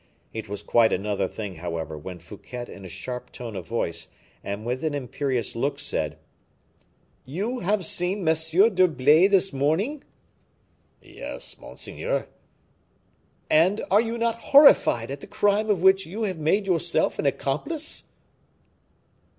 It was quite another thing, however, when Fouquet in a sharp tone of voice, and with an imperious look, said, "You have seen M. d'Herblay this morning?" "Yes, monseigneur." "And are you not horrified at the crime of which you have made yourself an accomplice?"